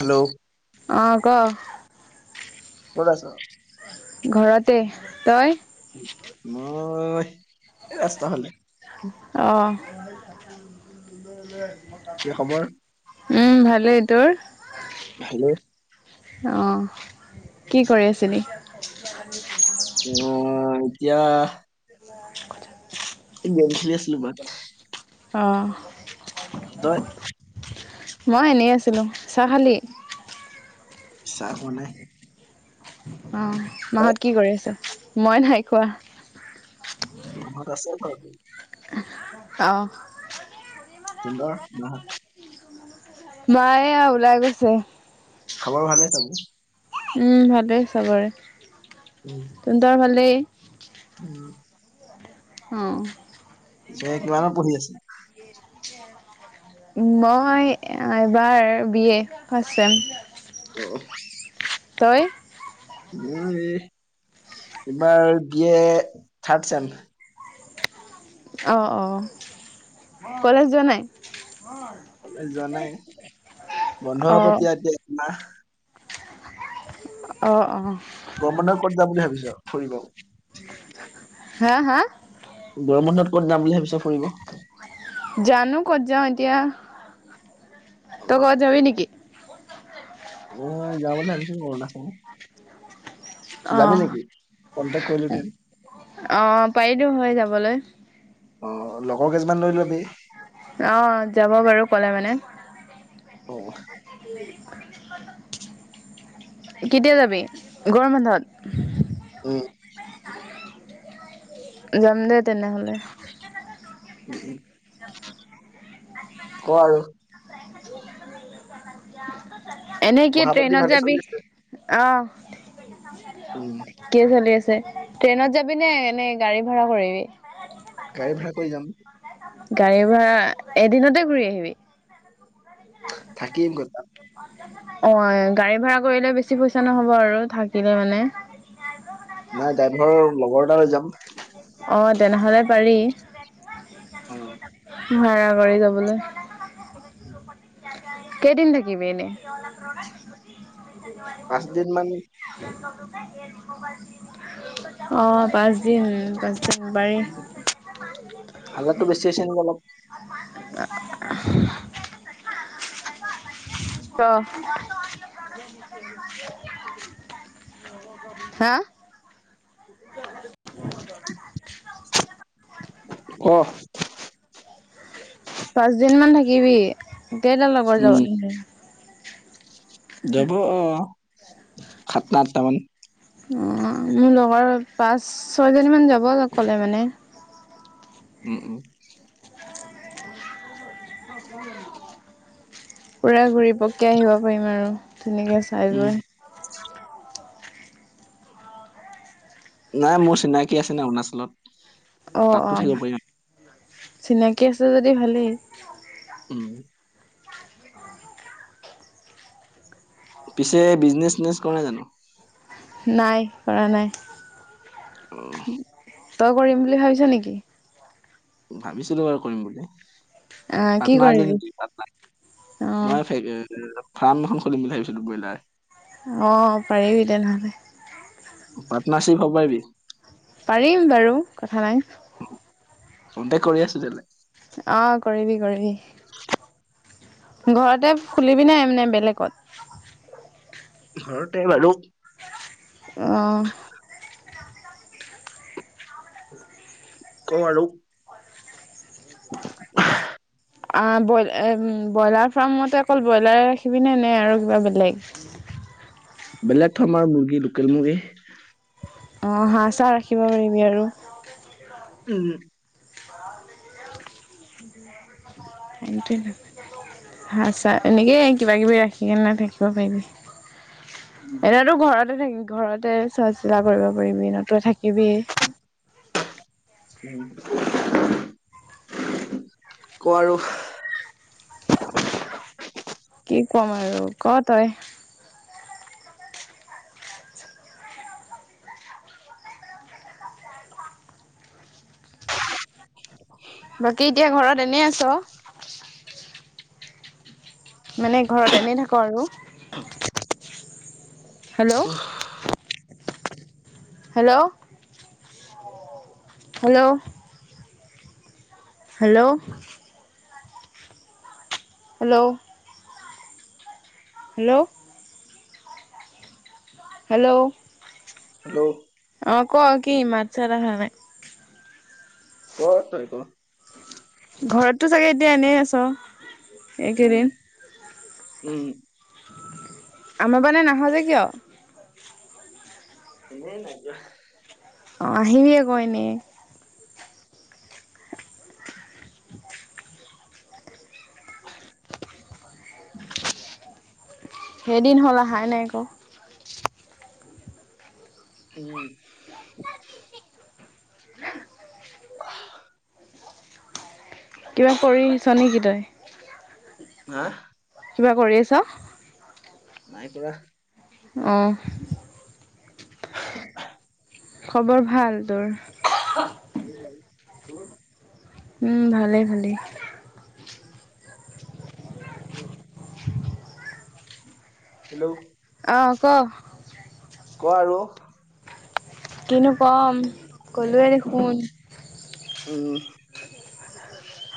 Hello অ, ক'? ক'ত আছ? ঘৰতে তই? মই এই ৰাস্তা ফালে অ', এ খবৰ উম, ভালেই তোৰ? ভালে। অ, কি কৰি আছিলি? মই এতিয়া ম কথা [unintelligible] অ তই? মই এনেই আছিলোঁ, চাহ খালি? চাহ খোৱা নাই। অ তই? মাহত কি কৰি আছে? মই নাই খোৱা। মাহত আছে বাৰু। অ [unintelligible] মায়ে ওলাই গৈছে। খাবৰ ভালে চবো উম ভালেই চবৰে। উম, তহতৰ ভালেই উম অ কিমানত পঢ়ি আছে? মই এবাৰ বি এ ফাষ্ট ছেম। অ তই? মই এবাৰ বি এ থাৰ্ড ছেম। অ অ কলেজ যোৱা নাই। কলেজ যোৱা নাই বন্ধ হব অ', এতিয়া এতিয়া এমাহ অ অ গৰম বন্ধত ক'ত যাম বুলি ভাবিছ ফুৰিব? হা হা, গৰম বন্ধত ক'ত যাম বুলি ভাবিছ ফুৰিব? জানো কত যাও এতিয়া, তই কবাত যাবি নেকি? উম যাও বুলি ভাবিছো অৰুণাচল। অ, যাবি নেকি? কন্টেক কৰিলোহেঁতেন অঁ পাৰিলো হয় যাবলৈ। অ লগৰ কেইজনিমান লৈ লবি। অ যাব বাৰু ক'লে মানে। অ, কেতিয়া যাবি গৰম বান্ধত। অ, যাম দে তেনেহলে। ক আৰু, এনেই কি পঢ়া পাতি ট্ৰেইনত ভালে চলি যাবি। আছে? অঁ, উম, কিয় চলি আছে, ট্ৰেইনত যাবি নে এনেই গাড়ী ভাৰা কৰিবি? গাড়ী ভাড়া কৰি যাম। গাড়ী ভাৰা, এদিনতে ঘূৰি আহিবি। থাকিম কথা অ গাড়ী ভাড়া কৰিলে বেছি পইচা নহব আৰু থাকিলে মানে নাই ড্ৰাইভৰৰ লগৰ এটালৈ যাম অঁ তেনেহ'লে পাৰি অ ভাড়া কৰি যাবলৈ উম কেইদিন থাকিবি এনেই পাঁচ দিন মান অ পাঁচদিন পাঁচদিন পাৰি। হাজাৰতটো বেছি হৈছে নেকি অলপ [unintelligible] ত হা [unintelligible] ক পাঁচ দিন মান থাকিবি এতিয় তাৰ লগৰ উম, যাব যাব আহ সাত ন আঠটাামান অ মোৰ লগৰ পাঁচ ছয়জনী মান যাব কলে মানে উম উম পুৰা ঘূৰি পককে আহিব পাৰিম আৰু তেুনেকৈ চাই উম, গৈ নাই মোৰ চিনাকি আছে ন অৰুণাচলত অ তাতো অ থাকিব পাৰিম চিনাকি আছে যদি ভালেই উম পিছে বিজনেচ চজনেচ কৰা নাই জানো নাই কৰা নাই অ' তই কৰিম বুলি ভাবিছ নেকি ভাবিছিলো বাৰু কৰিম বুলি আহ কি পাটনা আ যে কৰিবি? নেকি পাট অ' মই ফাৰ্ম এখন খুলিিম বুলি ভাবিছতো ব্ৰইলাৰ অঁ পাৰিবি তেনেহ'লে পাটনাৰশিপ হ'বাব পাৰিম বাৰু কথা নাই কোনতেে কৰি আছো তেলে অ কৰিবি কৰিবি ঘৰতে খুলিবি নাইানে বেলেগত ঘৰতে মানু অ ক আৰু [unintelligible] ব ব্ৰইলাৰ ফাৰ্মতে অকল ব্ৰইলাৰে ৰাখিবিনে নে আৰু কিবা বেলেগ বেলেগ ধৰ্মৰ মুৰ্গী লোকেল মুৰ্গী অঁ হাঁহ চাহ ৰাখিব পাৰিবি আৰু উম উম ব লি ইটিন আ চ এনেকেই কিবা কিবি ৰাখিকনে থাকিব পাৰিবি এনেতো ঘৰত থ ঘৰতে চোৱা চিতা কৰিব পাৰিবি নতুৱে থাকিবি ক আৰু [unintelligible] কি ক'ম আৰু ক তই। বাকী এতিয়া ঘৰত এনেই আছ। মানে ঘৰত এনে থাকোঁ আৰু। অ। Hello. Hello hello. ' Hello. Hello hello hello. Hello অহ ক কি মাত চাত আহা নাই। এই তই ক? ঘৰতটো চাগে এতিয়া এনেই আছ উম এইকেইদিন? উম, আমাৰ মানে নাহয় যে কিয়? এনেই নাইযোৱা অ, আহিবি আকৌ এনে। [unintelligible] সেইদিন হ'ল অহা নাই আকৌ। উম, কিবা কৰিছ নেকি তই? হা? কিবা কৰি আছ? নাই কৰা। অ, খবৰ ভাল তোৰ? ভ ক [unintelligible] উম, ভালে-ভালে। উম, হেল্ল', অঁ, ক? ক আৰু? কিনো ক'ম, ক'লোৱে দেখোন। উম,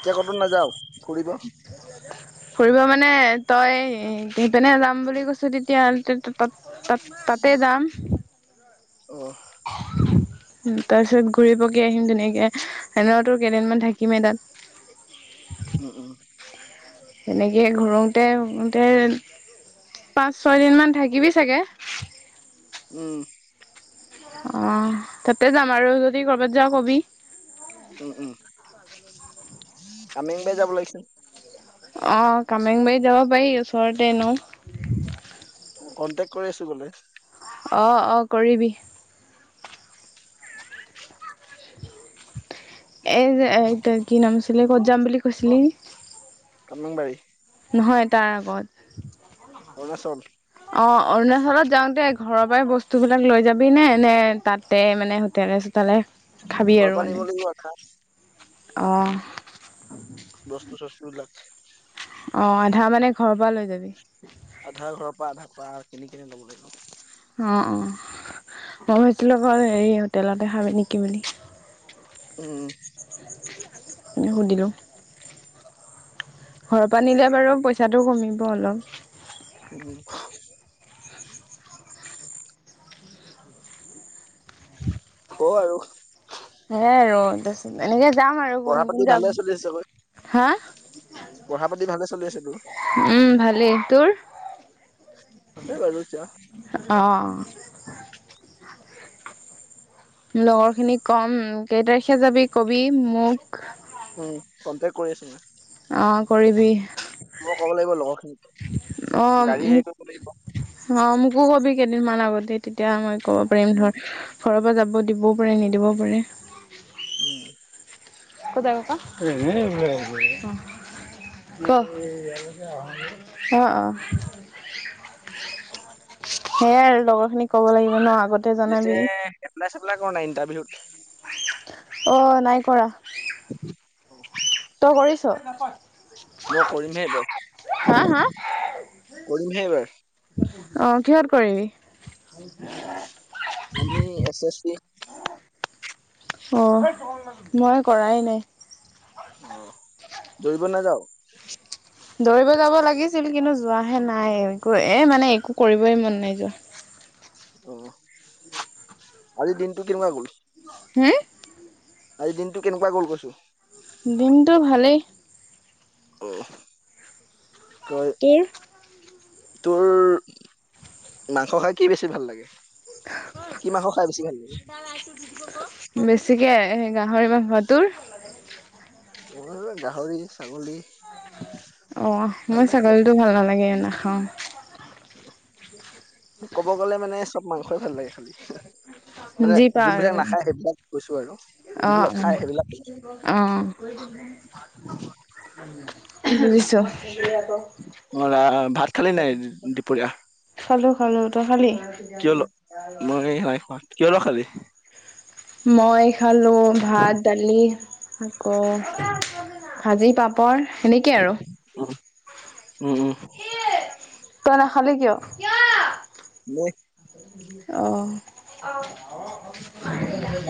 এতিয়া ক'তো নাযাৱ ফুৰিব? ফুৰিব মানে তই সেইপিনে যাম বুলি কৈছ তেতিয়া-তেত-তেত তাত-তাত-তাতে যাম। অ [inaudible] তাৰ পিছত ঘূৰি পকি আহিম ধুনীয়াকে, এনেও তোৰ কেইদিনমান থাকিমেই তাত। উম উম। তেনেকেই ঘূৰোতে ঘূৰোতে পাঁচ, ছয় দিন মান থাকিবি চাগে? উম। অ', তাতে যাম আৰু যদি কৰ'বাত যাৱ ক'বি। উম উম, কামেংবাৰী যাব লাগিছিল অ', কামেংবাৰী যাব পাৰি, ওচৰতে এনেও। কনটেক কৰি আছ বোলে। অঁ অঁ কৰিবি। এইযে এত কি নাম আছিলে, ক'ত যাম বুলি কৈছিলি? কমণং বাৰি। নহয় তাৰ আগত। অৰুণাচল। অ অৰুণাচলত যাওঁতে ঘৰৰ পৰাই বস্তু বিলাক লৈ যাবি নে, নে তাতে মানে হোট তালে ঘৰ পানী বুলিৱা খা অঁ। বস্তু-চস্তু বিলাক অ আধা মানে ঘৰৰ পৰা লৈ যাবি। আধা ঘৰৰ পৰা আধা খোৱা কিনি কেনে ল'ব লাগিব। অ, অ, মই ভাবছিলোঁ আ হেৰি হোটেলতে খাবি নেকি বুলি। উম। এনে সুধিলোঁ। ঘৰৰ পৰা নিলে বাৰু পইচাটো কমিব অলপ। উম। কো আৰু। [unintelligible] এনেকে যাম আৰু পঢ়া [unintelligible] পাতি যাম, ভালে চলি আছে চাগৈ হা? পঢ়া পাতি ভালে চলি আছে তোৰ? উম ভালেই, তোৰ? অ [inaudible] লগৰখিনিক কম, কেই তাৰিখে যাবি কবি মোক। উম কম্পেয়াৰ কৰি আছ অ কৰিবি। মই ক'ব লাগিব লগৰ খিনিত অ মোক, অ মোকো কবি কেইদিনমান আগতে তেতিয়া মই ক'ব পাৰিম উম, ধৰ, ঘৰৰ পৰা যাব দিবও পাৰে নিদিবও পাৰে। উম। ক'ত যায় ককা? এনেই ক, অঁ, অঁ। সেইয়াই আৰু লগৰ খিনিক ক'ব লাগিব ন। আগতে পিছে জনাবি এপ্লাই-চেপ্লাই কৰা নাই ইণ্টাৰভিউত? অ নাই কৰা। তই কৰিছো? মই কৰিমহে এইবাৰ, হা হা কৰিমহে এইবাৰ। অ কিহত কৰিবি আমি এছ এছ চি। অঁ, মই কৰাই নাই। আহ, দৌৰিব নাযাও? দৌৰিব যাব লাগিছিল, কিন্তু যোৱাহে নাই একো এ মানে একো কৰিবই মন নাই যোৱা। অ আজি দিনটো কেনেকুৱা গল? হম? আজি দিনটো কেনেকুৱা গ'ল কৈছো। দিনটো ভালেই। অ। কয় কি? তোৰ মাংস খাই কি বেছি ভাল লাগে? কি মাংস খাই বেছি ভাল লাগে? বেছ চিকে গাহৰি মাংস, তোৰ? মোৰ আৰু গাহৰি, ছাগলী। অ', ভাল মই লাগে ছাগলীটো ভাল নালাগে, নাখাওঁ। মোৰ ক'ব গ'লে মানে, চব মাংসই ভাল লাগে খালি। মানে যি পাওঁ আৰু যোনবিলাক মানে নাখায়, সেইবিলাক কৈছোঁ আৰু। অ', যোনবিলাক উম, খাই সেইবিলাক কৈছো। অ'। কৰিছ অ', ৰা- ভাত খালি নাই দুপৰীয়া? খালোঁ খালোঁ, তই খালি? কিহৰ লগত খালি? মই খালোঁ ভাত, দালি, আকৌ ভাজি পাপৰ সেনেকে আৰু। উম, উম উম। খালি কিয়? এনে অ',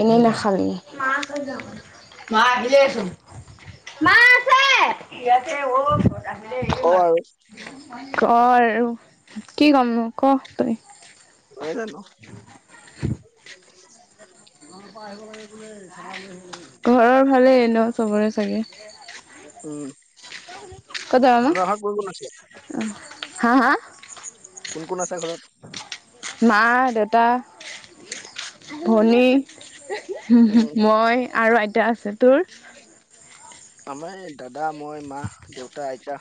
এনেই নাখালি। [inaudible] মা আহিলে ছোন। তই নহয়। ইয়াতে আৰু [unintelligible] ক আৰু কি ক'মনো ক তই। হৈয়ে জানো ঘৰৰ ভালেই ন চবৰে চাগে। ক'ত যাবা মা তোমাৰ ঘৰত কোন কোন আছে? হা হা! কোন কোন আছে ঘৰত? মা, দেউতা, ভনী। উম মই আৰু আইতা আছে, তোৰ? আমাৰ এই দাদা, মই, মা, দেউতা, আইতা।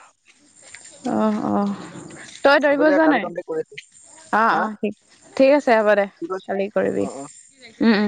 অ, অ'। তই দৌৰিব হবদে যোৱা কালি নাই কনটেক্ট কৰি আছো। অ' অ' ঠিক আছে হ'ব দে কি কৈছ? কালি কৰিবি। অ', অ'। উম, উম।